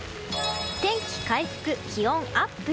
天気回復、気温アップ。